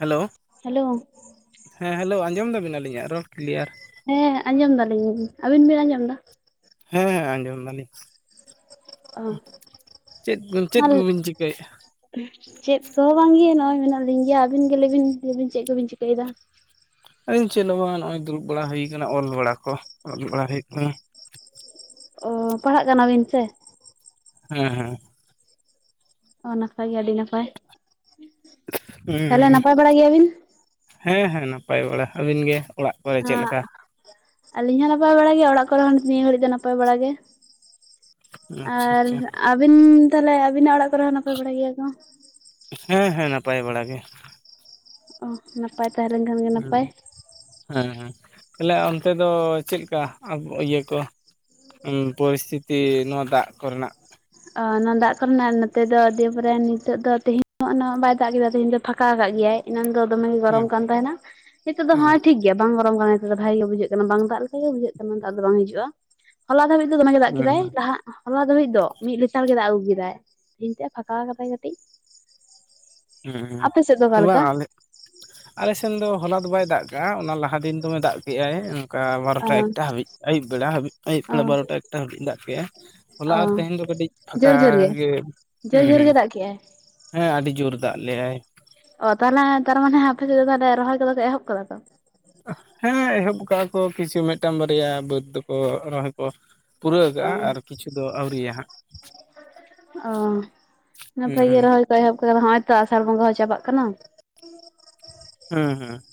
Hello hello ᱦᱮᱸ hello ᱟᱸᱡᱚᱢ ᱫᱟᱵᱤᱱ ᱟᱞᱤᱧᱟᱜ ᱨᱚᱲ ᱠᱞᱤᱭᱟᱨ? ᱦᱮᱸ ᱟᱸᱡᱚᱢ ᱫᱟᱞᱤᱧ ᱟᱹᱵᱤᱱ ᱵᱤᱱ ᱟᱸᱡᱚᱢ ᱫᱟ? ᱦᱮᱸ ᱟᱸᱡᱚᱢ ᱫᱟᱞᱤᱧ ᱚ ᱢᱟ ᱪᱮᱫ-ᱪᱮᱫ ᱠᱚᱵᱤᱱ ᱪᱤᱠᱟᱹ ᱭᱮᱜ-ᱟ? ᱪᱮᱫ ᱠᱚᱦᱚᱸ ᱵᱟᱝᱜᱮ ᱱᱚᱜᱼᱚᱭ ᱢᱮᱱᱟᱜ ᱞᱤᱧ ᱜᱮᱭᱟ, ᱟᱹᱵᱤᱱ ᱜᱮ ᱞᱟᱹᱭᱵᱤᱱ ᱪᱮᱫ ᱠᱚᱵᱤᱱ ᱪᱤᱠᱟᱹᱭᱫᱟ? ᱟᱞᱤᱧ ᱪᱮᱫ ᱦᱚᱸ ᱵᱟᱝ ᱱᱚᱜ ᱚᱭ ᱫᱩᱲᱩᱵ ᱵᱟᱲᱟ ᱦᱩᱭ ᱠᱟᱱᱟ ᱚᱞ ᱵᱟᱲᱟ ᱠᱚ ᱫᱩᱲᱩᱵ ᱵᱟᱲᱟ ᱦᱩᱭ ᱠᱟᱱᱟ᱾ ᱚ ᱯᱟᱲᱦᱟᱜ ᱠᱟᱱᱟᱵᱤᱱ ᱪᱮ? ᱦᱮᱸ ᱦᱮᱸ᱾ ᱚᱱᱟ ᱠᱷᱟᱡ ᱜᱮ ᱟᱹᱰᱤ ᱱᱟᱯᱟᱭ᱾ ᱛᱟᱦᱚᱞᱮ ᱱᱟᱯᱟᱭ ᱵᱟᱲᱟ ᱜᱮᱭᱟᱵᱤᱱ ᱩᱸᱻ ᱦᱮᱸ ᱦᱮᱸ ᱱᱟᱯᱟᱭ ᱵᱟᱲᱟ, ᱟᱹᱵᱤᱱ ᱜᱮ ᱚᱲᱟᱜ ᱠᱚᱨᱮ ᱪᱮᱫ ᱦᱚᱸ ᱞᱮᱠᱟ ᱟᱹᱞᱤᱧ ᱦᱚᱸ ᱱᱟᱯᱟᱭ ᱵᱟᱲᱟ ᱜᱮ ᱚᱲᱟᱜ ᱠᱚᱨᱮ ᱦᱚᱸ ᱱᱤᱭᱟᱹ ᱜᱷᱟᱹᱲᱤᱡ ᱫᱚ ᱱᱟᱯᱟᱭ ᱵᱟᱲᱟ ᱜᱮ ᱟᱪᱪᱷᱟ ᱟᱨ ᱟᱪᱪᱷᱟ ᱟᱹᱵᱤᱱ ᱛᱟᱦᱮᱞᱮ ᱟᱹᱵᱤᱱᱟᱜ ᱚᱲᱟᱜ ᱠᱚᱨᱮ ᱦᱚᱸ ᱱᱟᱯᱟᱭ ᱵᱟᱲᱟ ᱜᱮᱭᱟ ᱠᱚ ᱦᱮᱸ ᱦᱮᱸ ᱱᱟᱯᱟᱭ ᱵᱟᱲᱟ ᱜᱮ ᱚ ᱱᱟᱯᱟᱭ ᱛᱟᱦᱮᱸ ᱞᱮᱱ ᱠᱷᱟᱱ ᱜᱮ ᱦᱩᱸ ᱱᱟᱯᱟᱭ ᱦᱮᱸ ᱦᱮᱸ ᱛᱟᱦᱚᱞᱮ ᱚᱱᱛᱮ ᱫᱚ ᱪᱮᱫ ᱞᱮᱠᱟ ᱤᱭᱟᱹ ᱠᱚ ᱯᱚᱨᱤᱥᱛᱤᱛᱤ ᱱᱚᱣᱟ ᱫᱟᱜ ᱠᱚᱨᱮᱱᱟᱜ ᱚᱱᱟ ᱫᱟᱜ ᱠᱚᱨᱮᱱᱟᱜ ᱱᱚᱛᱮ ᱫᱚ ᱫᱤᱭᱮᱯᱚᱨᱮ ᱱᱤᱛᱚᱜ ᱫᱚ ᱛᱮᱦᱤᱧ ᱩᱱᱟᱹᱜ ᱵᱟᱭ ᱫᱟᱜ ᱠᱮᱫᱟ ᱛᱮᱦᱤᱧ ᱫᱚ ᱯᱷᱟᱸᱠᱟ ᱟᱠᱟᱜ ᱜᱮᱭᱟᱭ ᱮᱱᱟᱝ ᱫᱚ ᱫᱚᱢᱮ ᱜᱮ ᱦᱩᱸ ᱜᱚᱨᱚᱢ ᱠᱟᱱ ᱛᱟᱦᱮᱱᱟ ᱱᱤᱛᱚᱜ ᱫᱚ ᱦᱩᱸ ᱦᱮᱸ ᱴᱷᱤᱠ ᱵᱟᱝ ᱜᱚᱨᱚᱢ ᱠᱟᱱᱟ ᱵᱷᱟᱜ ᱜᱮ ᱵᱩᱡᱷᱟᱹᱜ ᱠᱟᱱᱟ ᱵᱟᱝ ᱫᱟᱜ ᱞᱮᱠᱟ ᱜᱮ ᱵᱩᱡᱷᱟᱹᱜ ᱠᱟᱱᱟ ᱫᱟᱜ ᱫᱚ ᱵᱟᱝ ᱦᱤᱡᱩᱜᱼᱟ᱾ ᱦᱚᱞᱟ ᱫᱷᱟᱹᱵᱤᱡ ᱫᱚ ᱫᱚᱢᱮ ᱜᱮ ᱫᱟᱜ ᱦᱩᱸ ᱠᱮᱫᱟᱭ ᱞᱟᱦᱟ, ᱦᱚᱞᱟ ᱫᱷᱟᱹᱵᱤᱡ ᱫᱚ᱾ ᱢᱤᱫ ᱞᱮᱛᱟᱲ ᱜᱮ ᱫᱟᱜ ᱟᱹᱜᱩ ᱠᱮᱫᱟᱭ, ᱛᱮᱦᱮᱧ ᱛᱮᱜ ᱯᱷᱟᱸᱠᱟ ᱠᱟᱫᱟᱭ ᱠᱟᱹᱴᱤᱡ᱾ ᱦᱩᱸ ᱟᱯᱮ ᱥᱮᱫ ᱫᱚ ᱚᱠᱟ ᱞᱮᱠᱟ? ᱟᱞᱮᱥᱮᱱ ᱫᱚ ᱦᱚᱞᱟ ᱫᱚ ᱵᱟᱭ ᱫᱟᱜ ᱠᱟᱜᱼᱟ ᱚᱱᱟ ᱞᱟᱦᱟ ᱫᱤᱱ ᱫᱚᱢᱮ ᱫᱟᱜ ᱠᱮᱜ ᱟᱭ ᱚᱱᱠᱟ ᱚ ᱵᱟᱨᱚᱴᱟ ᱮᱠᱴᱟ ᱦᱟᱹᱵᱤᱡ ᱟᱹᱭᱩᱵ ᱵᱮᱲᱟ ᱦᱟᱹᱵᱤ ᱟᱹᱭᱩᱵ ᱚ ᱵᱮᱲᱟ ᱵᱟᱨᱚᱴᱟ ᱮᱠᱴᱟ ᱦᱟᱹᱵᱤᱡ ᱫᱟᱜ ᱠᱮᱜᱼᱟᱭ, ᱦᱚᱞᱟ ᱚ ᱟᱨ ᱛᱮᱦᱮᱧ ᱫᱚ ᱠᱟᱹᱴᱤᱡ ᱯᱷᱟᱠᱟ ᱜᱮ ᱡᱚᱨ ᱦᱩᱸ ᱡᱚᱨ ᱦᱩᱸ ᱜᱮ ᱫᱟᱜ ᱠᱮᱜ ᱟᱭ ᱦᱮᱸ ᱟᱹᱰᱤ ᱡᱩᱨ ᱫᱟᱜ ᱞᱮᱜᱟᱭ ᱚ ᱛᱟᱦᱚᱞᱮ ᱛᱟᱨᱢᱟᱱᱮ ᱟᱯᱮ ᱥᱮᱫ [unintelligible] ᱨᱚᱦᱚᱭ ᱠᱚᱫᱚ ᱯᱮ ᱮᱦᱚᱵ ᱠᱟᱫᱟ ᱛᱚ ᱦᱮᱸ ᱮᱦᱚᱵ ᱠᱟᱜᱼᱟ ᱠᱚ ᱠᱤᱪᱷᱩ ᱢᱤᱫᱴᱟᱝ ᱵᱟᱨᱭᱟ ᱵᱟᱹᱫ ᱫᱚ ᱨᱚᱦᱚᱭ ᱠᱚ ᱯᱩᱨᱟᱹᱣ ᱠᱟᱜᱼᱟ ᱚ ᱟᱨ ᱠᱤᱪᱷᱩ ᱫᱚ ᱟᱹᱣᱨᱤᱭᱟ ᱦᱟᱸᱜ ᱚ ᱦᱩᱸ ᱱᱟᱯᱟᱭ ᱜᱮ ᱦᱩᱸ ᱨᱚᱦᱚᱭ ᱠᱚ ᱮᱦᱚᱵ ᱠᱟᱫᱟ ᱱᱚᱜ ᱚᱭ ᱛᱚ ᱟᱥᱟᱲ ᱵᱚᱸᱜᱟ ᱦᱚᱸ ᱪᱟᱵᱟᱜ ᱠᱟᱱᱟ ᱦᱩᱸ ᱦᱩᱸ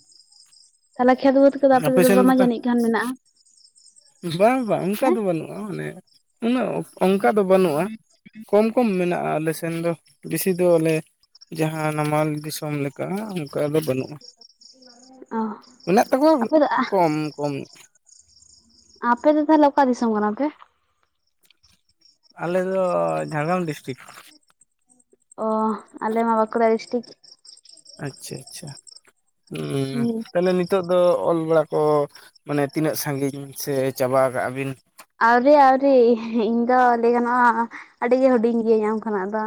ᱛᱟᱦᱚᱞᱮ ᱠᱷᱮᱛ ᱵᱟᱹᱫ ᱠᱚᱫᱚ ᱟᱯᱮ ᱟᱯᱮᱥᱮᱫ ᱫᱚ ᱥᱮᱱ ᱫᱚᱢᱮ ᱛᱟ ᱡᱟᱹᱱᱤᱡ ᱠᱷᱟᱱ ᱢᱮᱱᱟᱜᱼᱟ ᱵᱟᱝ ᱵᱟᱝ ᱚᱱᱠᱟ ᱦᱮᱸ ᱫᱚ ᱵᱟᱹᱱᱩᱜᱼᱟ ᱢᱟᱱᱮ ᱩᱱᱟᱹᱜ ᱚᱱᱠᱟ ᱫᱚ ᱵᱟᱹᱱᱩᱜᱼᱟ ᱠᱚᱢ ᱠᱚᱢ ᱢᱮᱱᱟᱜᱼᱟ ᱟᱞᱮ ᱥᱮᱱ ᱫᱚ ᱵᱤᱥᱤ ᱫᱚ ᱞᱮ ᱡᱟᱦᱟᱸ ᱱᱟᱢᱟᱞ ᱫᱤᱥᱚᱢ ᱞᱮᱠᱟ ᱚᱱᱠᱟ ᱫᱚ ᱵᱟᱹᱱᱩᱜᱼᱟ ᱚ ᱢᱮᱱᱟᱜ ᱛᱟᱠᱚᱣᱟ ᱟᱯᱮ ᱫᱚ ᱠᱚᱢ ᱠᱚᱢ ᱟᱯᱮ ᱫᱚ ᱛᱟᱦᱮᱞᱮ ᱚᱠᱟ ᱫᱤᱥᱚᱢ ᱠᱟᱱᱟ ᱯᱮ ᱟᱞᱮ ᱫᱚ ᱡᱷᱟᱲᱜᱨᱟᱢ ᱰᱤᱥᱴᱤᱠ ᱚ ᱟᱞᱮ ᱢᱟ ᱵᱟᱠᱚᱲᱟ ᱰᱤᱥᱴᱤᱠ ᱟᱪ ᱪᱷᱟ ᱟᱪ ᱪᱷᱟ ᱦᱩᱸ [unintelligible] ᱛᱟᱦᱮᱞᱮ ᱱᱤᱛᱚᱜ ᱫᱚ ᱚᱞ ᱵᱟᱲᱟ ᱠᱚ ᱢᱟᱱᱮ ᱛᱤᱱᱟᱹᱜ ᱥᱟᱺᱜᱤᱧ ᱥᱮ ᱪᱟᱵᱟ ᱠᱟᱜᱼᱟ ᱵᱤᱱ ᱟᱹᱣᱨᱤ ᱟᱹᱣᱨᱤ ᱤᱧ ᱫᱚ ᱞᱟᱹᱭ ᱜᱟᱱᱚᱜᱼᱟ ᱟᱹᱰᱤ ᱜᱮ ᱦᱩᱰᱤᱧ ᱜᱤᱭᱟᱹᱧ ᱟᱢ ᱠᱷᱚᱱᱟᱜ ᱫᱚ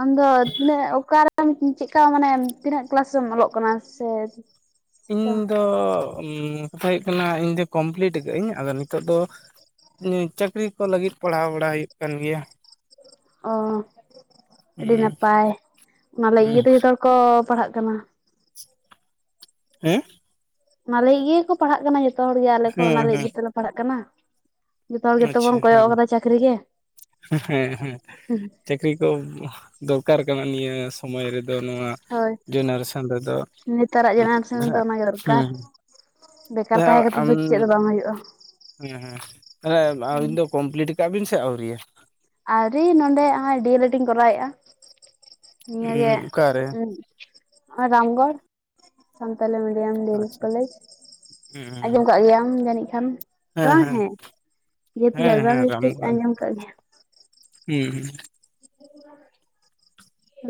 ᱟᱢᱫᱚ ᱛᱤᱱᱟᱹᱜ ᱚᱠᱟᱨᱮᱢ ᱪᱮᱫᱠᱟ ᱢᱟᱱᱮ ᱛᱤᱱᱟᱹᱜ ᱠᱤᱞᱟᱥ ᱨᱮᱢ ᱚᱞᱚᱜ ᱠᱟᱱᱟ ᱥᱮ [inaudible] ᱤᱧ ᱫᱚ ᱠᱟᱛᱷᱟ ᱦᱩᱭᱩᱜ ᱠᱟᱱᱟ ᱤᱧ ᱫᱚ ᱠᱚᱢᱯᱤᱞᱤᱴ ᱠᱟᱜ ᱟᱹᱧ ᱟᱫᱚ ᱱᱤᱛᱚᱜ ᱫᱚ ᱪᱟᱹᱠᱨᱤ ᱠᱚ ᱞᱟᱹᱜᱤᱫ ᱯᱟᱲᱦᱟᱣ ᱵᱟᱲᱟ ᱦᱩᱭᱩᱜ ᱠᱟᱱ ᱜᱮᱭᱟ ᱚ ᱟᱹᱰᱤ ᱦᱩᱸ ᱱᱟᱯᱟᱭ ᱚᱱᱟ ᱞᱟᱹᱜᱤᱫ ᱦᱩᱸ ᱜᱮ ᱛᱚ ᱡᱚᱛᱚ ᱦᱚᱲ ᱠᱚ ᱯᱟᱲᱦᱟᱜ ᱠᱟᱱᱟ ᱦᱩᱸ ᱚᱱᱟ ᱞᱟᱹᱜᱤᱫ ᱜᱮ ᱠᱚ ᱯᱟᱲᱦᱟᱜ ᱠᱟᱱᱟ ᱡᱚᱛᱚ ᱦᱚᱲ ᱜᱮ ᱟᱞᱮ ᱠᱚ ᱦᱮᱸ ᱚᱱᱟ ᱞᱟᱹᱜᱤᱫ ᱦᱮᱸ ᱜᱮᱛᱚᱞᱮ ᱯᱟᱲᱦᱟᱜ ᱠᱟᱱᱟ ᱡᱚᱛᱚ ᱦᱚᱲ ᱜᱮᱛᱚ ᱟᱪᱪᱷᱟ ᱵᱚᱱ ᱠᱚᱭᱚᱜ ᱦᱮᱸ ᱟᱠᱟᱫᱟ ᱪᱟᱹᱠᱨᱤ ᱜᱮ ᱦᱮᱸ ᱦᱮᱸ ᱪᱟᱹᱠᱨᱤ ᱠᱚ ᱫᱚᱨᱠᱟᱨ ᱠᱟᱱᱟ ᱱᱤᱭᱟᱹ ᱥᱚᱢᱚᱭ ᱨᱮᱫᱚ ᱱᱚᱣᱟ ᱦᱳᱭ ᱡᱮᱱᱟᱨᱮᱥᱚᱱ ᱨᱮᱫᱚ ᱱᱮᱛᱟᱨᱟᱜ ᱡᱮᱱᱟᱨᱮᱥᱚᱱ ᱨᱮᱫᱚ ᱚᱱᱟᱜᱮ ᱫᱚᱨᱠᱟᱨ ᱦᱩᱸ ᱵᱮᱠᱟᱨ ᱟᱨ ᱛᱟᱦᱮᱸ ᱠᱟᱛᱮᱫ ᱟᱢ ᱫᱚ ᱪᱮᱫ ᱦᱚᱸ ᱵᱟᱝ ᱦᱩᱭᱩᱜᱼᱟ ᱦᱩᱸ ᱛᱟᱞᱦᱮ ᱟᱵᱤᱱ ᱫᱚ ᱠᱚᱢᱯᱤᱞᱤᱴ ᱟᱠᱟᱜ ᱵᱤᱱ ᱥᱮ ᱟᱹᱣᱨᱤᱭᱟ ᱟᱣᱨᱤ ᱱᱚᱸᱰᱮ ᱦᱚᱸ ᱰᱤᱮᱞᱮᱰ ᱤᱧ ᱠᱚᱨᱟᱣ ᱮᱫᱼᱟ ᱱᱤᱭᱟᱹ ᱜᱮ ᱚᱠᱟᱨᱮ ᱩᱸ ᱦᱚᱸ ᱨᱟᱢᱜᱚᱲ ᱥᱟᱱᱛᱟᱞᱤ ᱢᱤᱰᱤᱭᱟᱢ ᱰᱤᱮᱞᱮᱰ ᱟᱪᱪᱷᱟ ᱠᱚᱞᱮᱡᱽ ᱦᱮᱸ ᱟᱸᱡᱚᱢ ᱟᱠᱟᱫ ᱜᱮᱭᱟᱢ ᱡᱟᱹᱱᱤᱡ ᱠᱷᱟᱱ, ᱵᱟᱝ ᱦᱮᱸ ᱡᱮᱦᱮᱛᱩ ᱦᱮᱸ ᱡᱷᱟᱲᱜᱟᱢ ᱦᱮᱸ ᱨᱮ ᱱᱤᱥᱪᱳᱭᱮᱢ ᱟᱸᱡᱚᱢ ᱠᱟᱜ ᱜᱮᱭᱟ᱾ ᱦᱩᱸᱻᱦᱩᱸ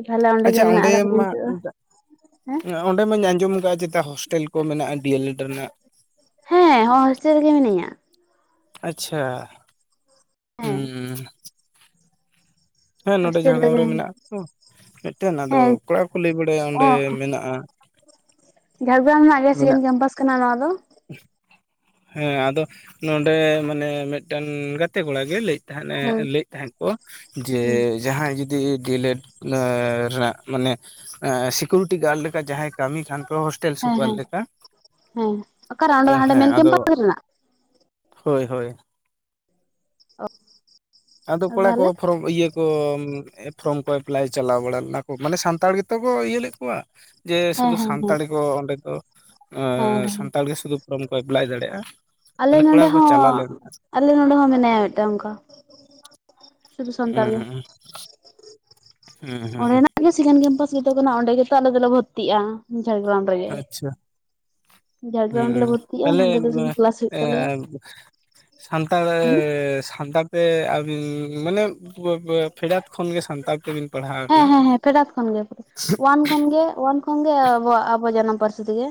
ᱛᱟᱦᱞᱮ ᱚᱸᱰᱮ ᱟᱪᱪᱷᱟ ᱜᱮ ᱢᱮᱱᱟᱜ ᱟᱠᱟᱫᱟ ᱢᱟ ᱱᱤᱛᱳᱜ ᱫᱚ, ᱦᱮᱸ ᱚᱸᱰᱮ ᱢᱟᱹᱧ ᱟᱸᱡᱚᱢ ᱟᱠᱟᱫ-ᱟ ᱪᱮᱛᱟ ᱦᱳᱥᱴᱮᱞ ᱠᱚ ᱢᱮᱱᱟᱜᱼᱟ ᱰᱤᱮᱞᱮᱰ ᱨᱮᱱᱟᱜ? ᱦᱮᱸ ᱱᱚᱜ-ᱚᱭ ᱦᱳᱥᱴᱮᱞ ᱨᱮ ᱜᱮ ᱢᱤᱱᱟᱹᱧᱟ᱾ ᱟᱪᱪᱷᱟ᱾ ᱦᱮᱸ ᱦᱮᱸ ᱱᱚᱸᱰᱮ ᱦᱳᱥᱴᱮᱞ ᱡᱷᱟᱲᱜᱨᱟᱢ ᱨᱮᱜᱮ ᱨᱮ ᱢᱮᱱᱟᱜ ᱛᱚ ᱢᱤᱫᱴᱮᱱ ᱟᱫᱚ ᱦᱮᱸ ᱠᱚᱲᱟ ᱠᱚ ᱠᱚ ᱞᱟᱹᱭ ᱵᱟᱲᱟᱭᱟ ᱚᱸᱰᱮ ᱢᱮᱱᱟᱜᱼᱟ᱾ ᱡᱷᱟᱲᱜᱟᱨᱟᱢ ᱨᱮᱱᱟᱜ ᱜᱮ ᱥᱮᱠᱮᱱ ᱠᱮᱢᱯᱟᱥ ᱠᱟᱱᱟ ᱱᱚᱣᱟ ᱫᱚ [unintelligible] ᱦᱮᱸ ᱟᱫᱚ ᱱᱚᱸᱰᱮ ᱢᱟᱱᱮ ᱢᱤᱫᱴᱥᱱ ᱜᱟᱛᱮ ᱠᱚᱲᱟ ᱜᱮ ᱞᱟᱹᱭᱮᱫ ᱛᱟᱦᱮᱸᱫ-ᱮ ᱦᱮᱸ ᱞᱟᱹᱭᱮᱫ ᱛᱟᱦᱮᱸᱫ ᱠᱚ ᱡᱮ ᱦᱮᱸ ᱡᱟᱦᱟᱸᱭ ᱡᱩᱫᱤ ᱰᱤ ᱴᱮᱞᱮᱰ ᱨᱮᱱᱟᱜ ᱢᱟᱱᱮ ᱥᱤᱠᱩᱨᱤᱴᱤ ᱜᱟᱰ ᱞᱮᱠᱟ ᱡᱟᱦᱟᱸᱭ ᱠᱟᱹᱢᱤ ᱠᱷᱟᱱ ᱯᱮ ᱦᱚᱥᱴᱮᱞ ᱦᱮᱸ ᱥᱩᱯᱟᱨ ᱦᱮᱸ ᱞᱮᱠᱟ ᱦᱮᱸ ᱚᱠᱟᱨᱮ ᱚᱸᱰᱮ ᱦᱟᱸᱰᱮ ᱦᱮᱸ ᱟᱫᱚ [unintelligible] ᱨᱮᱱᱟᱜ ᱦᱚᱭ ᱦᱚᱭ ᱚ ᱟᱫᱚ ᱠᱚᱲᱟ ᱠᱚ ᱯᱷᱚᱨᱚᱢ ᱤᱭᱟᱹ ᱠᱚ ᱯᱷᱨᱚᱢ ᱠᱚ ᱮᱯᱞᱟᱭ ᱪᱟᱞᱟᱣ ᱵᱟᱲᱟ ᱞᱮᱱᱟ ᱠᱚ ᱢᱟᱱᱮ ᱥᱟᱱᱛᱟᱲ ᱜᱮᱛᱚ ᱠᱚ ᱤᱭᱟᱹ ᱞᱮᱫ ᱠᱚᱣᱟ᱾ ᱡᱮ ᱦᱮᱸ ᱥᱩᱫᱩ ᱦᱮᱸ ᱦᱮᱸ ᱥᱟᱱᱛᱟᱲᱤ ᱠᱚ ᱚᱸᱰᱮ ᱫᱚ ᱦᱮᱸ ᱮᱸ ᱦᱮᱸ ᱥᱟᱱᱛᱟᱲ ᱜᱮ ᱥᱩᱫᱷᱩ ᱯᱷᱨᱚᱢ ᱠᱚ ᱮᱯᱞᱟᱭ ᱫᱟᱲᱮᱭᱟᱜᱼᱟ᱾ ᱟᱞᱮ ᱛᱟᱦᱚᱞᱮ ᱠᱚᱲᱟ ᱱᱚᱰᱮ ᱠᱚᱠᱚ ᱪᱟᱞᱟᱣ ᱦᱚᱸ, ᱞᱮᱱᱟ ᱟᱞᱮ ᱱᱚᱰᱮ ᱦᱚᱸ ᱢᱮᱱᱟᱭᱟ ᱢᱤᱫᱴᱟᱝ ᱚᱝᱠᱟ᱾ ᱦᱩᱸ ᱦᱩᱸ ᱦᱩᱸ ᱚᱸᱰᱮᱱᱟᱜ ᱜᱮ ᱥᱮᱠᱮᱱᱰ ᱠᱮᱢᱯᱟᱥ ᱜᱮᱛᱚ ᱠᱟᱱᱟ ᱚᱸᱰᱮ ᱜᱮᱛᱚ ᱟᱞᱮ ᱫᱚᱞᱮ ᱵᱷᱚᱨᱛᱤᱜᱼᱟ, ᱡᱷᱟᱲᱜᱨᱟᱢ ᱨᱮᱜᱮ ᱟᱪᱪᱷᱟ᱾ ᱡᱷᱟᱲᱜᱨᱟᱢ ᱨᱮᱞᱮ ᱵᱷᱚᱨᱛᱤᱜᱼᱟ ᱚᱸᱛᱟᱦᱞᱮ ᱱᱚᱰᱮ ᱫᱚ ᱥᱩᱫᱷᱩ ᱠᱞᱟᱥ ᱦᱩᱭᱩᱜ ᱛᱟᱞᱮᱭᱟ ᱮᱸᱻ ᱥᱟᱱᱛᱟᱲ ᱟᱹ ᱦᱩᱸ ᱥᱟᱱᱛᱟᱲ ᱛᱮ ᱟᱹᱵᱤᱱ ᱢᱟᱱᱮ ᱛᱚᱵᱮ ᱵᱮ ᱯᱷᱮᱰᱟᱛ ᱠᱷᱚᱱ ᱜᱮ ᱥᱟᱱᱛᱟᱲ ᱛᱮᱵᱤᱱ ᱯᱟᱲᱦᱟᱣ ᱠᱟᱱᱟ? ᱠᱷᱚᱱᱜᱮ ᱚᱣᱟᱱ ᱠᱷᱚᱱ ᱜᱮ ᱟᱵᱚ ᱟᱵᱚᱣᱟᱜ ᱡᱟᱱᱟᱢ ᱯᱟᱹᱨᱥᱤ ᱛᱮᱜᱮ᱾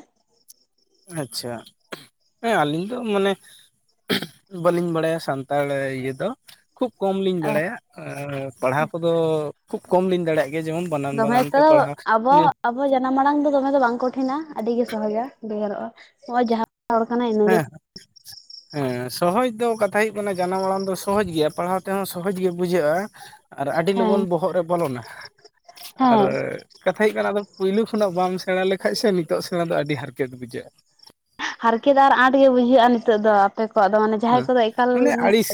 ᱟᱪᱪᱷᱟ, ᱦᱮᱸ ᱟᱹᱞᱤᱧ ᱫᱚ ᱢᱟᱱᱮ ᱵᱟᱹᱞᱤᱧ ᱵᱟᱲᱟᱭᱟ ᱥᱟᱱᱛᱟᱲ ᱤᱭᱟᱹ ᱫᱚ ᱠᱷᱩᱵ ᱠᱚᱢ ᱞᱤᱧ ᱵᱟᱲᱟᱭᱟ᱾ ᱟᱹᱻ ᱯᱟᱲᱦᱟᱣ ᱠᱚᱫᱚ ᱠᱷᱩᱵ ᱠᱚᱢ ᱞᱤᱧ ᱫᱟᱲᱮᱭᱟᱜ ᱜᱮᱭᱟ ᱡᱮᱢᱚᱱ ᱵᱟᱱᱟᱱ ᱵᱟᱱᱟᱱ ᱛᱮ ᱯᱟᱲᱦᱟᱣ ᱦᱳᱭ ᱡᱟᱱᱟᱢ ᱢᱟᱲᱟᱝ ᱫᱚᱢᱮ ᱫᱚ ᱵᱟᱝ ᱠᱚᱴᱷᱤᱱᱟ ᱟᱹᱰᱤ ᱜᱮ ᱥᱚᱦᱚᱡᱟ ᱵᱷᱮᱜᱟᱨᱚᱜᱼᱟ ᱱᱚᱜ-ᱚᱭ ᱡᱟᱦᱟᱸ ᱨᱚᱲ ᱠᱟᱱᱟᱹᱧ ᱦᱮᱸ ᱦᱮᱸ ᱥᱚᱦᱚᱡᱽ ᱫᱚ ᱠᱟᱛᱷᱟ ᱦᱩᱭᱩᱜ ᱠᱟᱱᱟ ᱡᱟᱱᱟᱢ ᱟᱲᱟᱝ ᱫᱚ ᱥᱚᱦᱚᱡᱽ ᱜᱮᱭᱟ ᱯᱟᱲᱦᱟᱣ ᱛᱮᱦᱚᱸ ᱥᱚᱦᱚᱡᱽ ᱜᱮ ᱵᱩᱡᱷᱟᱹᱜᱼᱟ᱾ ᱟᱨ ᱟᱹᱰᱤ ᱦᱮᱸ ᱞᱚᱜᱚᱱ ᱵᱚᱦᱚᱜ ᱨᱮ ᱵᱚᱞᱚᱱᱟ, ᱟᱨ ᱦᱮᱸ ᱠᱟᱛᱷᱟ ᱦᱩᱭᱩᱜ ᱠᱟᱱᱟ ᱟᱫᱚ ᱯᱩᱭᱞᱩ ᱠᱷᱚᱱᱟᱜ ᱵᱟᱢ ᱥᱮᱬᱟ ᱞᱮᱠᱷᱟᱡ ᱥᱮ ᱱᱤᱛᱚᱜ ᱥᱮᱬᱟ ᱫᱚ ᱟᱹᱰᱤ ᱦᱟᱨᱠᱮᱛ ᱵᱩᱡᱷᱟᱹᱜᱼᱟ᱾ ᱦᱟᱨᱠᱮᱛ ᱟᱨ ᱟᱸᱴ ᱜᱮ ᱵᱩᱡᱷᱟᱹᱜᱼᱟ ᱱᱤᱛᱚᱜ ᱫᱚ ᱟᱯᱮ ᱠᱚᱣᱟᱜ ᱫᱚ ᱢᱟᱱᱮ ᱡᱟᱦᱟᱸᱭ ᱦᱮᱸ ᱠᱚᱫᱚ ᱮᱠᱟᱞ ᱢᱟᱱᱮ ᱟᱹᱲᱤᱥ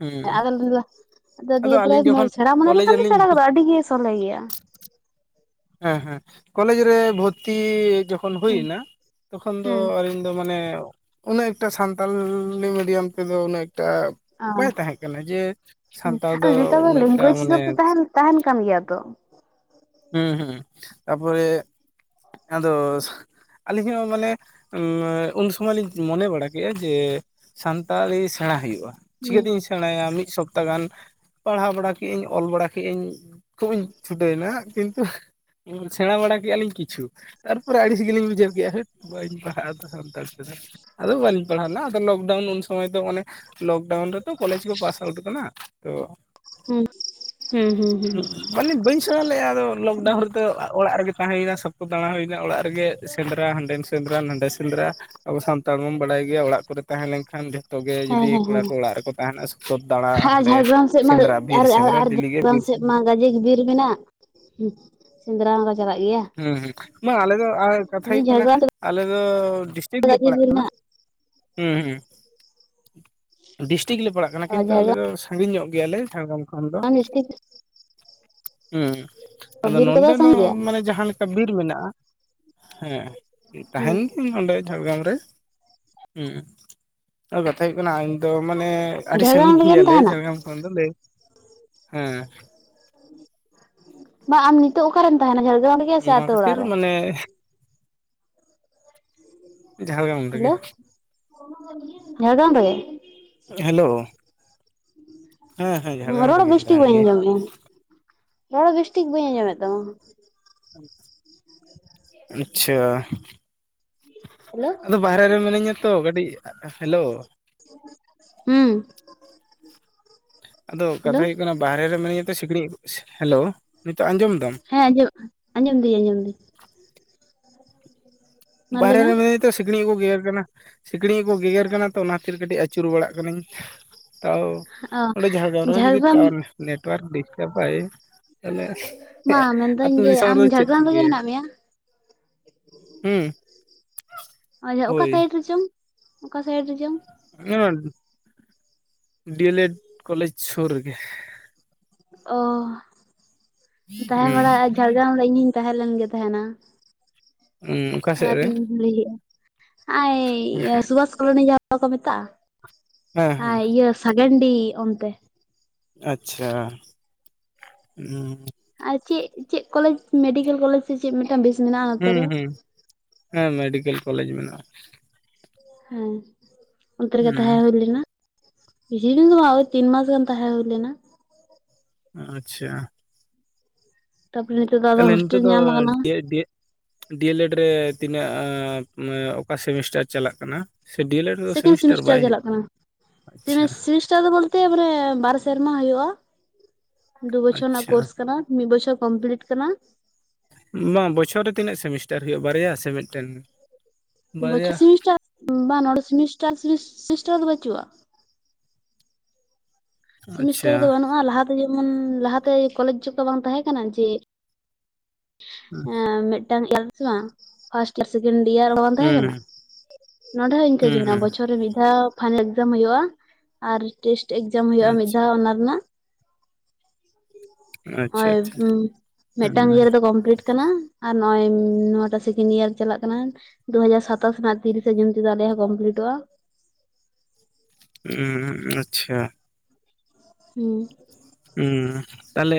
ᱦᱮᱸ ᱟᱞᱚᱢ [inaudible] ᱟᱫᱚ ᱫᱤᱭᱮ ᱯᱨᱨᱟᱭ ᱟᱹᱞᱤᱧ ᱡᱚᱠᱷᱚᱱ ᱥᱮᱬᱟ ᱢᱚᱱᱮ ᱠᱚᱞᱮᱡᱽ ᱞᱮᱠᱷᱟᱱ ᱫᱚ ᱨᱮᱞᱤᱧ ᱥᱮᱬᱟ ᱵᱷᱚᱨᱛᱤ ᱜᱚᱫᱚᱜ-ᱟᱹᱰᱤ ᱜᱮ ᱥᱚᱞᱦᱮ ᱜᱮᱭᱟ᱾ ᱦᱮᱸ ᱦᱮᱸ ᱠᱚᱞᱮᱡᱽ ᱨᱮ ᱵᱷᱚᱨᱛᱤ ᱡᱚᱠ ᱠᱷᱚᱱ ᱦᱩᱭᱮᱱᱟ ᱦᱩᱸ ᱛᱚᱠᱷᱚᱱ ᱦᱩᱭ ᱮᱱᱟ ᱛᱚᱠᱷᱚᱱ ᱫᱚ ᱦᱩᱸ ᱟᱹᱞᱤᱧ ᱫᱚ ᱢᱟᱱᱮ ᱩᱱᱟᱜ ᱮᱠᱴᱟ ᱥᱟᱱᱛᱟᱞᱤ ᱢᱤᱰᱤᱭᱟᱢ ᱛᱮᱫᱚ ᱩᱱᱟᱜ ᱮᱠᱴᱟ ᱚ ᱵᱟᱭ ᱛᱟᱦᱮᱸ ᱠᱟᱱᱟ ᱡᱮ ᱦᱩᱸ ᱥᱟᱱᱛᱟᱲ ᱫᱚ ᱩᱱᱟᱹᱜᱴᱟ ᱢᱟᱱᱮ ᱛᱟᱸᱦᱮᱱ ᱠᱟᱱ ᱜᱮᱭᱟ ᱛᱚ᱾ ᱦᱩᱸ ᱦᱩᱸ ᱛᱟᱨᱯᱚᱨᱮ ᱟᱫᱚ ᱟᱹᱞᱤᱧ ᱦᱚᱸ ᱢᱟᱱᱮ ᱩᱱ ᱥᱚᱢᱚᱭ ᱞᱤᱧ ᱢᱚᱱᱮ ᱵᱟᱲᱟ ᱠᱮᱫᱮᱜᱼᱟ ᱡᱮ ᱥᱟᱱᱛᱟᱲᱤ ᱥᱮᱬᱟ ᱦᱩᱭᱩᱜᱼᱟ, ᱦᱩᱸ ᱪᱤᱠᱟᱹᱛᱤᱧ ᱥᱮᱬᱟᱭᱟ ᱢᱤᱫ ᱥᱚᱯ ᱛᱟ ᱜᱟᱱ ᱯᱟᱲᱦᱟᱣ ᱵᱟᱲᱟ ᱠᱟᱹᱧ ᱚᱞ ᱵᱟᱲᱟ ᱠᱮᱫᱟᱹᱧ ᱠᱷᱩᱵ ᱤᱧ ᱪᱷᱩᱴᱟᱹᱣᱮᱱᱟ ᱠᱤᱱᱛᱩ ᱩᱸ ᱥᱮᱬᱟ ᱵᱟᱲᱟ ᱠᱮᱫᱮᱼᱟ ᱞᱤᱧ ᱠᱤᱪᱷᱩ᱾ ᱛᱟᱨᱯᱚᱨᱮ ᱟᱹᱲᱤ ᱥᱤᱜᱤᱞᱤᱧ ᱵᱩᱡᱷᱟᱹᱣ ᱠᱮᱫᱮᱜ ᱦᱟᱹᱴ ᱵᱟᱹᱧ ᱯᱟᱲᱦᱟᱜ ᱟᱫᱚ ᱥᱟᱱᱛᱟᱲ ᱛᱮᱫᱚ᱾ ᱟᱫᱚ ᱵᱟᱹᱞᱤᱧ ᱯᱟᱲᱦᱟᱣ ᱞᱮᱫ ᱟᱫᱚ ᱞᱚᱠᱰᱟᱣᱩᱱ ᱩᱱ ᱥᱚᱢᱚᱭ ᱫᱚ ᱚᱱᱮ ᱞᱚᱠᱰᱟᱣᱩᱱ ᱨᱮᱛᱚ ᱠᱚᱞᱮᱡᱽ ᱠᱚ ᱯᱟᱥ ᱟᱣᱩᱴ ᱟᱠᱟᱱᱟ ᱛᱚ [unintelligible] ᱦᱩᱸ ᱦᱩᱸ ᱦᱩᱸ ᱦᱩᱸ ᱢᱟᱱᱮ ᱵᱟᱹᱧ ᱥᱮᱬᱟ ᱞᱮᱫᱼᱟ ᱟᱫᱚ ᱞᱚᱠᱰᱟᱣᱩᱱ ᱨᱮᱫᱚ ᱚᱲᱟᱜ ᱨᱮᱜᱮ ᱛᱟᱦᱮᱸ ᱦᱩᱭᱱᱟ ᱥᱚᱠᱛᱚ ᱫᱟᱬᱟ ᱦᱩᱭᱮᱱᱟ ᱚᱲᱟᱜ ᱨᱮ ᱜᱮ ᱥᱮᱸᱫᱽᱨᱟ ᱦᱟᱸᱰᱮᱱ ᱥᱮᱸᱫᱽᱨᱟ ᱱᱟᱸᱰᱮ ᱥᱮᱸᱫᱽᱨᱟ ᱟᱵᱚ ᱥᱟᱱᱛᱟᱲ ᱢᱟᱢ ᱵᱟᱲᱟᱭ ᱜᱮᱭᱟ ᱚᱲᱟᱜ ᱠᱚᱨᱮ ᱛᱟᱦᱮᱸ ᱞᱮᱱ ᱠᱷᱟᱱ ᱜᱮ ᱡᱚᱛᱚ ᱜᱮ ᱦᱮᱸ ᱡᱩᱫᱤ ᱦᱮᱸ ᱠᱚᱲᱟ ᱦᱮᱸ ᱠᱚ ᱚᱲᱟᱜ ᱨᱮᱠᱚ ᱛᱟᱦᱮᱱᱟ ᱥᱚᱵ ᱫᱟᱬᱟ ᱟᱨ ᱚᱸᱰᱮ ᱥᱮᱸᱫᱽᱨᱟ ᱵᱤᱨ ᱥᱮᱸᱫᱽᱨᱟ ᱰᱮᱞᱤ ᱜᱮ ᱵᱤᱨ ᱪᱮᱫ ᱢᱟ ᱥᱮᱸᱫᱽᱨᱟ ᱜᱟᱡᱮ ᱜᱤ ᱵᱤᱨ ᱢᱮᱱᱟᱜ, ᱥᱮᱸᱫᱽᱨᱟ ᱢᱟᱠᱚ ᱪᱟᱞᱟᱜ ᱜᱮᱭᱟ᱾ ᱦᱮᱸ ᱦᱮᱸ ᱵᱟᱝ ᱟᱞᱮ ᱫᱚ ᱟᱨ ᱠᱟᱛᱷᱟ ᱦᱩᱭᱩᱜ ᱠᱟᱱᱟ ᱡᱷᱟᱲᱜᱨᱟᱢ ᱟᱞᱮ ᱫᱚ ᱰᱤᱥᱴᱤᱠ ᱥᱮᱫ ᱞᱮ ᱜᱟᱡᱮ ᱯᱟᱲᱟᱜ ᱵᱤᱨ ᱠᱟᱱᱟ᱾ ᱢᱮᱱᱟᱜ ᱦᱮᱸ ᱦᱩᱸ ᱰᱤᱥᱴᱤᱠ ᱞᱮ ᱯᱟᱲᱟᱜ ᱠᱟᱱᱟ ᱠᱤᱱᱛᱩ ᱟᱞᱮ ᱫᱚ ᱡᱷᱟᱲᱜᱨᱟᱢ ᱥᱟᱺᱜᱤᱧᱚᱜ ᱜᱮᱭᱟᱞᱮ ᱡᱷᱟᱲᱜᱟᱢ ᱠᱷᱚᱱ ᱫᱚ ᱰᱤᱥᱴᱤᱠ ᱩᱸ ᱟᱫᱚ ᱵᱤᱨ ᱱᱚᱰᱮ ᱠᱚᱫᱚ ᱫᱚ ᱥᱟᱺᱜᱤᱧ ᱜᱮᱭᱟ ᱢᱟᱱᱮ ᱡᱟᱸ ᱡᱟᱦᱟᱸ ᱞᱮᱠᱟ ᱵᱤᱨ ᱢᱮᱱᱟᱜᱼᱟ ᱦᱮᱸ ᱦᱮᱸ ᱛᱟᱦᱮᱱ ᱜᱤᱭᱟᱹ ᱱᱚᱸᱰᱮ ᱡᱷᱟᱲᱜᱨᱟᱢ ᱨᱮ, ᱦᱩᱸ ᱠᱟᱛᱷᱟ ᱦᱩᱭᱩᱜ ᱠᱟᱱᱟ ᱛᱚ ᱢᱟᱱᱮ ᱟᱹᱰᱤ ᱥᱟᱺᱜᱤᱧ ᱡᱷᱟᱲᱜᱨᱟᱢ ᱨᱮᱜᱮᱢ ᱜᱮᱭᱟᱞᱮ ᱛᱟᱦᱮᱱᱟ? ᱡᱷᱟᱲᱜᱨᱟᱢ ᱠᱷᱚᱱ ᱫᱚᱞᱮ ᱦᱮᱸ ᱵᱟᱝ ᱟᱢ ᱱᱤᱛᱚᱜ ᱚᱠᱟᱨᱮᱢ ᱛᱟᱦᱮᱱᱟ ᱡᱷᱟᱲᱜᱟᱨᱟᱢ ᱨᱮᱜᱮ ᱥᱮ ᱱᱚᱣᱟ ᱟᱛᱳ ᱠᱷᱟᱹᱛᱤᱨ ᱚᱲᱟᱜ ᱨᱮ ᱢᱟᱱᱮ ᱡᱷᱟᱲᱜᱨᱟᱢ [unintelligible] ᱦᱮᱞᱳ ᱡᱷᱟᱨᱜᱨᱟᱢ ᱨᱮᱜᱮ ᱦᱮᱞᱳ ᱦᱮᱸ ᱦᱮᱸ ᱡᱷᱟᱲᱜᱨᱟᱢ ᱨᱚᱲ ᱨᱮᱜᱮᱧ ᱵᱮᱥ ᱴᱷᱤᱠ ᱛᱟᱦᱮᱱ ᱵᱟᱹᱧ ᱜᱮᱭᱟ ᱟᱸᱡᱚᱢᱮᱫᱼᱟ ᱨᱚᱲ ᱵᱮᱥ ᱴᱷᱤᱠ ᱵᱟᱹᱧ ᱟᱸᱡᱚᱢᱮᱫ ᱛᱟᱢᱟ ᱟᱪᱪᱷᱟ ᱦᱮᱞᱳ ᱟᱫᱚ ᱵᱟᱨᱦᱮ ᱨᱮ ᱢᱤᱱᱟᱹᱧᱟ ᱛᱚ ᱠᱟᱹᱴᱤᱡ ᱦᱮᱞᱳ ᱦᱩᱸ ᱟᱫᱚ ᱦᱮᱞᱳ ᱠᱟᱛᱷᱟ ᱦᱩᱭᱩᱜ ᱠᱟᱱᱟ ᱵᱟᱦᱨᱮ ᱨᱮ ᱢᱤᱱᱟᱹᱧᱟ ᱛᱚ ᱥᱤᱠᱲᱤᱡ ᱦᱮᱞᱳ ᱱᱤᱛᱚᱜ ᱟᱸᱡᱚᱢ ᱫᱟᱢ ᱦᱮᱸ ᱟᱸᱡᱚᱢ ᱟᱸᱡᱚᱢ ᱫᱤᱧ ᱟᱸᱡᱚᱢ ᱫᱟᱹᱧ ᱢᱟ ᱞᱟᱹᱭ ᱢᱮ ᱵᱟᱨᱦᱮᱨᱮ ᱢᱤᱱᱟᱧᱟ ᱛᱚ ᱥᱤᱠᱲᱤᱡ ᱠᱚ ᱜᱮᱜᱮᱨ ᱠᱟᱱᱟ ᱥᱤᱠᱲᱤᱡ ᱠᱚ ᱜᱮᱜᱮᱨ ᱠᱟᱱᱟ ᱛᱚ ᱚᱱᱟ ᱠᱷᱟᱹᱛᱤᱨ ᱠᱟᱹᱴᱤᱡ ᱟᱹᱪᱩᱨ ᱵᱟᱲᱟᱜ ᱠᱟᱱᱟᱱᱟᱹᱧ ᱛᱟᱣ ᱚ ᱚᱸᱰᱮ ᱡᱷᱟᱲᱜᱨᱟᱢ ᱨᱮᱦᱚᱸ ᱡᱩᱫᱤ ᱱᱮᱴᱣᱟᱨᱠ ᱰᱤᱥᱴᱟᱵᱟᱭ ᱛᱟᱦᱚᱞᱮ ᱢᱟ ᱢᱮᱱᱫᱟᱹᱧ ᱟᱛᱳ ᱡᱮ ᱫᱤᱥᱚᱢ ᱟᱢ ᱨᱮᱫᱚ ᱪᱮᱫ ᱡᱷᱟᱲᱜᱨᱟᱢ ᱨᱮᱜᱮ ᱪᱤᱠᱟᱹᱭᱟ ᱢᱮᱱᱟᱜ ᱢᱮᱭᱟ ᱦᱩᱸ ᱟᱪᱪᱷᱟ ᱚᱠᱟ ᱦᱳᱭ ᱥᱟᱭᱤᱰ ᱨᱮ ᱪᱚᱝ ᱚᱠᱟ ᱥᱟᱭᱤᱰ ᱨᱮ ᱪᱚᱝ ᱚᱱᱟ ᱰᱤ ᱮᱞ ᱮᱰ ᱠᱚᱞᱮᱡᱽ ᱥᱩᱨ ᱨᱮᱜᱮ ᱚ ᱛᱟᱦᱮᱸ ᱵᱟᱲᱟᱜ ᱡᱷᱟᱲᱜᱨᱟᱢ ᱨᱮ ᱤᱧᱤᱧ ᱛᱟᱦᱮᱸᱞᱮᱱ ᱜᱮ ᱛᱟᱦᱮᱸᱱᱟ ᱦᱩᱸ ᱚᱠᱟ ᱥᱮᱫ ᱚᱱᱟ ᱨᱮ ᱛᱮᱧ ᱞᱟᱭ ᱮᱫ ᱟ ᱱᱟᱼᱟᱭ ᱥᱩᱵᱷᱟᱥ ᱠᱚᱞᱚᱱᱤ ᱡᱟᱦᱟᱸ ᱠᱚ ᱢᱮᱛᱟᱜᱼᱟ ᱦᱮᱸ ᱦᱮᱸ ᱟᱨ ᱤᱭᱟᱹ ᱥᱟᱹᱜᱮᱱᱰᱤ ᱚᱱᱛᱮ ᱟᱪᱪᱷᱟ ᱦᱩᱸ ᱟᱨ ᱪᱮᱫ ᱪᱮᱫ ᱠᱚᱞᱮᱡᱽ ᱢᱮᱰᱤᱠᱮᱞ ᱠᱚᱞᱮᱡᱽ ᱥᱮ ᱪᱮᱫ ᱢᱤᱫᱴᱟᱝ ᱵᱮᱥ ᱢᱮᱱᱟᱜᱼᱟ, ᱱᱚᱛᱮ ᱨᱮ? ᱦᱩᱸ ᱦᱮᱸ ᱢᱮᱰᱤᱠᱮᱞ ᱠᱚᱞᱮᱡᱽ ᱢᱮᱱᱟᱜᱼᱟ᱾ ᱦᱮᱸ ᱚᱱᱛᱮ ᱨᱮᱜᱮ ᱛᱟᱦᱮᱸ ᱦᱩᱸ ᱦᱩᱭ ᱞᱮᱱᱟ᱾ ᱠᱤᱪᱷᱩ ᱫᱤᱱ ᱫᱚ ᱵᱟᱝ ᱳᱭ ᱛᱤᱱ ᱢᱟᱥ ᱜᱟᱱ ᱛᱟᱦᱮ ᱦᱩᱭ ᱞᱮᱱᱟ᱾ ᱟᱪᱪᱷᱟ ᱛᱟ ᱵᱟᱞᱮ ᱱᱤᱛᱚᱜ ᱫᱚ [unintelligible] ᱛᱟᱦᱞᱮ ᱱᱤᱱᱤᱛᱟᱹ ᱫᱚ ᱧᱟᱢ ᱟᱠᱟᱱᱟ ᱰᱤ ᱮᱞ ᱮᱰ ᱨᱮ ᱛᱤᱱᱟᱹᱜ ᱚᱠᱟ ᱥᱮᱢᱤᱥᱴᱟᱨ ᱪᱟᱞᱟᱜ ᱠᱟᱱᱟ? ᱥᱮ ᱰᱤ ᱮᱞ ᱮᱰ ᱨᱮᱫᱚ ᱥᱮᱠᱮᱱᱰ ᱥᱮᱢᱤᱥᱴᱟᱨ ᱵᱟᱭ ᱦᱩᱭᱩᱜ ᱪᱟᱞᱟᱜ ᱠᱟᱱᱟ ᱟᱪᱪᱷᱟ ᱥᱮᱢᱤᱥᱴᱟᱨ ᱫᱚ ᱵᱚᱞᱛᱮ ᱢᱟᱱᱮ ᱵᱟᱨ ᱥᱮᱨᱢᱟ ᱦᱳᱭᱳᱜᱼᱟ, ᱫᱩ ᱵᱚᱪᱷᱚᱨ ᱨᱮᱱᱟᱜ ᱟᱪᱪᱷᱟ ᱠᱳᱨᱥ ᱠᱟᱱᱟ᱾ ᱢᱤᱫ ᱵᱚᱪᱷᱚᱨ ᱠᱚᱢᱯᱞᱤᱴ ᱠᱟᱱᱟ᱾ ᱵᱟᱝ ᱵᱚᱪᱷᱚᱨ ᱨᱮ ᱛᱤᱱᱟᱹᱜ ᱥᱮᱢᱤᱥᱴᱟᱨ ᱦᱩᱭᱩᱜᱼᱟ, ᱵᱟᱨᱭᱟ ᱥᱮ ᱢᱤᱫᱴᱮᱱ ᱵᱟᱨᱭᱟ ᱵᱚᱪᱷᱚᱨ ᱥᱮᱢᱤᱥᱴᱟᱨ [inaudible] ᱵᱟᱝ ᱱᱚᱰᱮ ᱥᱮᱢᱤᱥᱴᱟᱨ ᱥᱮᱢᱤᱥᱴᱟᱨ ᱫᱚ ᱵᱟᱟᱹᱪᱩᱜᱼᱟ᱾ ᱟᱪᱪᱷᱟ ᱥᱮᱢᱤᱥᱴᱟᱨ ᱫᱚ ᱵᱟᱹᱱᱩᱜᱼᱟ ᱞᱟᱦᱟᱛᱮ ᱡᱮᱢᱚᱱ ᱞᱟᱦᱟᱛᱮ ᱠᱚᱞᱮᱡ ᱡᱚᱜ ᱫᱚ ᱵᱟᱝ ᱛᱟᱦᱮᱸ ᱠᱟᱱᱟ ᱡᱮ ᱦᱩᱸ ᱢᱤᱫᱴᱟᱝ ᱮᱞᱥ ᱵᱟᱝ ᱯᱷᱟᱥᱴ ᱥᱮᱠᱮᱱᱰ ᱤᱭᱟᱨ ᱵᱟᱝ ᱛᱟᱦᱮᱸ ᱦᱩᱸ ᱠᱟᱱᱟ᱾ ᱱᱚᱰᱮ ᱦᱚᱸ ᱤᱱᱠᱟᱹᱜ ᱦᱩᱸ ᱜᱮ ᱢᱮᱱᱟᱜᱼᱟ ᱦᱩᱸ ᱵᱚᱪᱷᱚᱨ ᱨᱮ ᱢᱤᱫ ᱫᱷᱟᱣ ᱯᱷᱟᱭᱱᱮᱞ ᱮᱠᱡᱟᱢ ᱦᱳᱭᱳᱜ ᱟᱨ ᱴᱮᱥᱴ ᱮᱠᱡᱟᱢ ᱦᱳᱭᱳᱜᱼᱟ ᱢᱤᱫ ᱟᱪᱪᱷᱟ ᱫᱷᱟᱣ ᱚᱱᱟ ᱨᱮᱱᱟᱜ ᱟᱪᱪᱷᱟ ᱳᱭ ᱟᱪᱪᱷᱟ ᱢᱤᱫᱴᱟᱝ ᱤᱭᱟᱹ ᱨᱮᱫᱚ ᱠᱚᱢᱯᱞᱤᱴ ᱠᱟᱱᱟ ᱟᱨ ᱱᱚᱜ ᱚᱭ ᱱᱚᱣᱟᱴᱟᱜ ᱥᱮᱠᱮᱱᱰ ᱤᱭᱟᱨ ᱪᱟᱞᱟᱜ ᱠᱟᱱᱟ᱾ ᱫᱩᱦᱡᱟᱨ ᱥᱟᱚᱛᱟᱥ ᱨᱮᱱᱟᱜ ᱛᱤᱨᱤᱥᱮ ᱡᱩᱱ ᱛᱚ ᱟᱞᱮᱭᱟᱜ ᱠᱚᱢᱯᱞᱤᱴᱚᱜᱼᱟ᱾ ᱦᱩᱸ ᱟᱪᱪᱷᱟ ᱦᱮᱸ ᱦᱩᱸ ᱛᱟᱦᱚᱞᱮ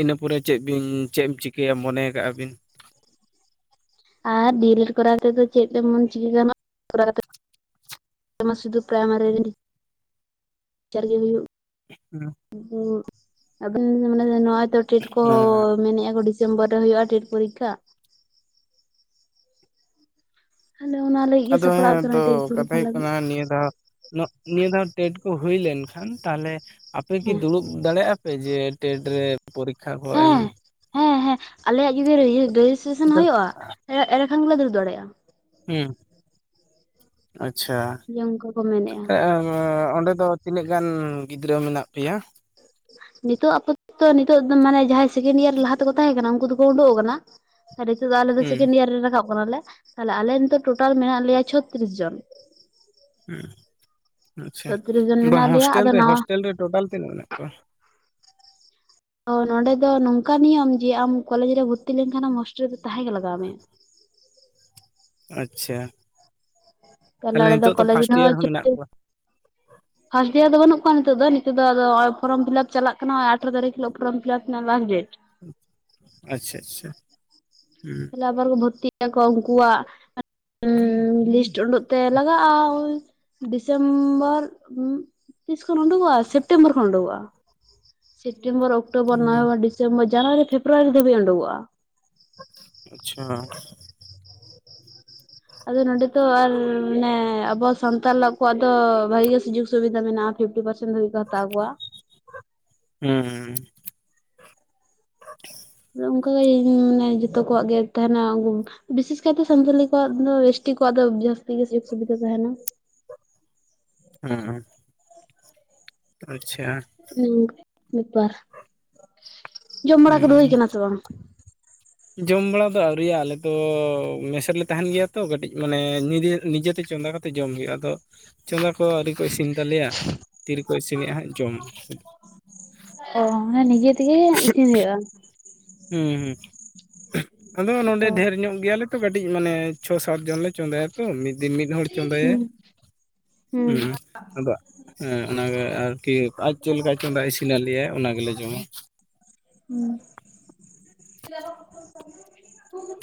ᱤᱱᱟᱹ ᱯᱚᱨᱮ ᱪᱮᱫ ᱵᱤᱱ ᱪᱮᱫ ᱮᱢ ᱪᱤᱠᱟᱹᱭᱟ ᱢᱚᱱᱮ ᱠᱟᱜᱼᱟ ᱵᱤᱱ ᱟᱨ ᱰᱤᱞ ᱮᱰ ᱠᱚᱨᱟᱣ ᱠᱟᱛᱮᱫ ᱫᱚ ᱪᱮᱫ ᱛᱮᱚᱱ ᱪᱤᱠᱟᱹ ᱜᱟᱱᱚᱜᱼᱟᱟᱣ [inaudible] ᱠᱟᱛᱮ ᱥᱩᱫᱷᱩ ᱯᱨᱟᱭᱢᱟᱨᱤ [inaudible] ᱴᱮᱪᱟᱨ ᱦᱩᱭᱩᱜ ᱦᱩᱸ [unintelligible] ᱢᱟᱱᱮ ᱱᱚᱜᱚᱭᱛᱚ ᱴᱮᱰ ᱠᱚ ᱦᱮᱸ ᱢᱮᱱᱮᱫᱼᱟ ᱰᱤᱥᱮᱢᱵᱚᱨ ᱨᱮ ᱦᱩᱭᱩᱜᱼᱟ ᱴᱮᱴ ᱯᱚᱨᱤᱠᱠᱷᱟ ᱦᱮᱞ ᱚᱱᱟᱮ [unintelligible] ᱟᱫᱚ ᱦᱮᱸ ᱛᱚ ᱠᱟᱛᱷᱟ ᱦᱩᱭᱩᱜ ᱠᱟᱱᱟ ᱱᱤᱭᱟᱹ ᱫᱷᱟᱣ ᱱᱤᱭᱟᱹ ᱫᱷᱟᱣ ᱴᱮᱴ ᱠᱚ ᱦᱩᱭ ᱞᱮᱱᱠᱷᱟᱱ ᱛᱟᱦᱞᱮ ᱟᱯᱮ ᱠᱤ ᱦᱮᱸ ᱫᱩᱲᱩᱵ ᱫᱟᱲᱮᱭᱟᱜ ᱟᱯᱮ ᱡᱮ ᱴᱮᱴ ᱨᱮ ᱯᱚᱨᱤᱠᱷᱟ ᱠᱚ ᱮᱢ ᱦᱮᱸ ᱦᱮᱸ ᱦᱮᱸ ᱟᱞᱮᱭᱟᱜ ᱡᱩᱫᱤ ᱨᱮᱡᱤᱥᱴᱨᱮᱥᱚᱱ ᱦᱩᱭᱩᱜᱼᱟ, ᱮᱸᱰᱮᱠᱷᱟᱱ ᱜᱮᱞᱮ ᱫᱩᱲᱩᱵ ᱫᱟᱲᱮᱭᱟᱜᱼᱟ᱾ ᱦᱩᱸ ᱟᱪᱪᱷᱟ ᱡᱮ ᱚᱱᱠᱟ ᱠᱚ ᱢᱮᱱᱮᱫᱼᱟ ᱚᱸᱰᱮ ᱫᱚ ᱛᱤᱱᱟᱹᱜ ᱜᱟᱱ ᱜᱤᱫᱽᱨᱟᱹ ᱢᱮᱱᱟᱜ ᱯᱮᱭᱟ? ᱱᱤᱛᱚᱜ ᱟᱯᱚ ᱱᱤᱛᱚᱜ ᱫᱚ ᱢᱟᱱᱮ ᱡᱟᱦᱟᱸᱭ ᱥᱮᱠᱮᱱᱰ ᱤᱭᱟᱨ ᱞᱟᱦᱟ ᱛᱮᱠᱚ ᱛᱟᱦᱮᱸ ᱠᱟᱱᱟ ᱩᱱᱠᱩ ᱫᱚᱠᱚ ᱩᱸᱰᱩ ᱟᱠᱟᱱᱟ᱾ ᱱᱤᱛᱚᱜ ᱫᱚ ᱟᱞᱮ ᱫᱚ ᱦᱩᱸ ᱥᱮᱠᱮᱱᱰ ᱤᱭᱟᱨ ᱨᱮ ᱨᱟᱠᱟᱵ ᱠᱟᱱᱟ ᱞᱮ ᱛᱟᱦᱞᱮ ᱟᱞᱮ ᱱᱤᱛᱚᱜ ᱴᱳᱴᱟᱞ ᱢᱮᱱᱟᱜ ᱞᱮᱭᱟ ᱪᱷᱚᱛᱨᱤᱥ ᱡᱚᱱ ᱦᱩ ᱟᱪᱪᱷᱟ ᱪᱷᱚᱛᱨᱤᱥ ᱡᱚᱱ ᱵᱟᱝ ᱢᱮᱱᱟᱜ ᱞᱮᱭᱟ ᱦᱳᱥᱴᱮᱞ ᱟᱫᱚ ᱨᱮ ᱱᱟᱣᱟ ᱦᱳᱥᱴᱮᱞ ᱨᱮ ᱴᱳᱴᱟᱞ ᱛᱤᱱᱟᱹᱜ ᱢᱮᱱᱟᱜ ᱠᱚᱣᱟ᱾ ᱛᱚ ᱱᱚᱸᱰᱮ ᱫᱚ ᱱᱚᱝᱠᱟ ᱱᱤᱭᱚᱢ ᱡᱮ ᱟᱢ ᱠᱚᱞᱮᱡ ᱨᱮ ᱵᱷᱚᱨᱛᱤ ᱞᱮᱱᱠᱷᱟᱱ ᱟᱢ ᱦᱚᱳᱥᱴᱮᱞ ᱨᱮᱫᱚ ᱛᱟᱦᱮᱸᱜ ᱞᱟᱜᱟᱣ ᱢᱮ ᱟᱪᱪᱷᱟ ᱛᱟᱦᱞᱮ ᱟᱞᱮ ᱱᱤᱛᱚᱜ ᱫᱚ ᱠᱚᱞᱮᱡᱽ ᱯᱷᱟᱥᱴ ᱨᱮᱦᱚᱸ ᱤᱭᱟᱨ ᱦᱚᱸ ᱢᱮᱱᱟᱜ ᱪᱷᱚᱛᱨᱤᱥ ᱠᱚᱣᱟ᱾ ᱯᱷᱟᱥᱴ ᱮᱭᱟᱨ ᱫᱚ ᱟᱫᱚ ᱵᱟᱹᱱᱩᱜ ᱠᱚᱣᱟ ᱱᱤᱛᱚᱜ ᱫᱚ ᱱᱤᱛ ᱫᱚ ᱟᱜ ᱟᱫᱚ ᱯᱷᱚᱨᱢ ᱯᱷᱤᱞᱟᱯ ᱪᱟᱞᱟᱜ ᱠᱟᱱᱟ ᱟᱴᱷᱨᱚ ᱛᱟᱨᱤᱠᱷ ᱦᱤᱞᱳ ᱯᱷᱚᱨᱚᱢ ᱯᱷᱤᱞᱟᱯ ᱨᱮᱱᱟᱜ ᱞᱟᱥᱴ ᱰᱮᱴ ᱟᱪᱪᱷᱟ ᱟᱪᱪᱷᱟ ᱦᱩᱸ ᱛᱟᱦᱞᱮ ᱟᱵᱟᱨ ᱠᱩ ᱵᱷᱚᱨᱛᱤ ᱟᱠᱚ ᱩᱱᱠᱩᱣᱟᱜ ᱩᱰᱩᱜ ᱛᱮ ᱞᱟᱜᱟᱜᱼᱟ ᱳ ᱰᱤᱥᱮᱢᱵᱚᱨ ᱛᱤᱥ ᱠᱷᱚᱱ ᱩᱰᱩᱠᱚᱜᱼᱟ ᱥᱮ ᱥᱮᱯᱴᱮᱢᱵᱚᱨ ᱠᱷᱚᱱ ᱩᱰᱩᱠᱚᱜᱼᱟ᱾ ᱥᱮᱯᱴᱮᱢᱵᱚᱨ ᱚᱠᱴᱳᱵᱚᱨ ᱦᱩᱸ ᱱᱚᱵᱷᱮᱢᱵᱚᱨ ᱡᱟᱱᱩᱣᱟᱨᱤ ᱯᱷᱮᱵᱽᱨᱣᱟᱨᱤ ᱫᱷᱟᱹᱵᱤᱡ ᱩᱰᱠᱚᱜᱼᱟ᱾ ᱟᱪᱪᱷᱟ ᱟᱫᱚ ᱱᱚᱰᱮ ᱫᱚ ᱟᱨ ᱢᱟᱱᱮ ᱟᱵᱚ ᱥᱟᱱᱛᱟᱞ ᱠᱚᱣᱟᱜ ᱫᱚ ᱵᱷᱟᱜᱤ ᱜᱮ ᱥᱩᱡᱳᱜᱽ ᱥᱩᱵᱤᱫᱟ ᱢᱮᱱᱟᱜᱼᱟ᱾ ᱯᱷᱤᱯᱴᱤ ᱯᱟᱨᱥᱮᱱᱴ ᱫᱷᱟᱵᱤᱡ ᱠᱚ ᱦᱟᱛᱟᱣ ᱠᱩᱣᱟ ᱦᱩᱸ ᱦᱩᱸ ᱦᱩᱸ [inaudible] ᱚᱱᱠᱟᱜᱤ ᱢᱟᱱᱮ ᱡᱚᱛᱚ ᱠᱚᱣᱟᱜ ᱜᱮ ᱛᱟᱦᱮᱱᱟ ᱵᱤᱥᱮᱥ ᱠᱟᱭᱛᱮ ᱥᱟᱱᱛᱟᱞᱤ ᱠᱚᱣᱟᱜ ᱫᱚ ᱮᱥᱴᱤ ᱠᱚᱣᱟᱜ ᱫᱚ ᱡᱟᱹᱥᱛᱤ ᱜᱮ ᱥᱩᱡᱳᱜᱽ ᱥᱩᱵᱤᱫᱷᱟ ᱛᱟᱦᱮᱱᱟ ᱦᱮᱸ ᱦᱮᱸ ᱟᱪᱪᱷᱟ ᱦᱩ ᱚᱱᱠᱟ ᱵᱮᱯᱟᱨ ᱡᱚᱢ ᱵᱟᱲᱟ ᱠᱚᱫᱚ ᱦᱩᱭ ᱦᱩᱸ ᱟᱠᱟᱱᱟ ᱥᱮ ᱵᱟᱝ ᱡᱚᱢ ᱵᱟᱲᱟ ᱫᱚ ᱟᱹᱣᱨᱤᱭᱟ ᱟᱞᱮᱫᱚ ᱢᱮᱥ ᱨᱮᱞᱮ ᱛᱟᱦᱮᱱ ᱜᱮᱭᱟ ᱛᱚ ᱠᱟᱹᱴᱤᱡ ᱢᱟᱱᱮ ᱱᱤᱡᱮ ᱱᱤᱡᱮᱛᱮ ᱪᱚᱸᱫᱟ ᱠᱟᱛᱮ ᱛᱮ ᱡᱚᱢ ᱦᱩᱭᱩᱜᱼᱟ ᱟᱫᱚ ᱪᱚᱸᱫᱟ ᱠᱚ ᱟᱹᱣᱨᱤ ᱠᱚ ᱤᱥᱤᱱ ᱛᱟᱞᱮᱭᱟ ᱛᱤᱨᱮᱠᱚ ᱤᱥᱤᱱᱮᱫᱼᱟ ᱦᱟᱸᱜ ᱡᱚᱢ ᱚ ᱦᱮ ᱱᱤᱡᱮ ᱛᱮᱜᱮ ᱤᱥᱤᱱ ᱦᱩᱭᱩᱜᱼᱟ ᱦᱮᱸ ᱦᱩᱸ ᱟᱫᱚ ᱱᱚᱰᱮ ᱚ ᱰᱷᱮᱨ ᱧᱚᱜ ᱜᱮᱭᱟᱞᱮ ᱠᱟᱹᱴᱤᱡ ᱢᱟᱱᱮ ᱪᱷᱚ ᱥᱟᱛ ᱡᱚᱱ ᱞᱮ ᱪᱚᱸᱫᱟᱭᱟ ᱛᱚ ᱢᱤᱫ ᱫᱤᱱ ᱢᱤᱫ ᱦᱚᱲ ᱪᱚᱸᱫᱟᱭᱟ ᱦᱩᱸ ᱦᱩᱸ ᱟᱫᱚ ᱦᱮᱸ ᱚᱱᱟᱜᱮ ᱟᱨᱠᱤ ᱟᱡ ᱪᱮᱫ ᱞᱮᱠᱟ ᱪᱚᱸᱫᱟ ᱤᱥᱤᱱ ᱟᱞᱮᱭᱟᱭ ᱚᱱᱟᱜᱮᱞᱮ ᱡᱚᱢᱟ ᱦᱩᱸ [unintelligible]